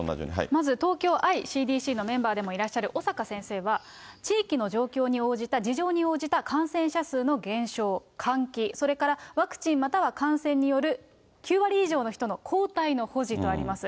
まず、東京ｉＣＤＣのメンバーでもいらっしゃる、小坂先生は、地域の状況に応じた事情に応じた感染者数の減少、換気、それからワクチン、または感染による９割以上の人の抗体の保持とあります。